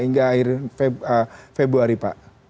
hingga akhir februari pak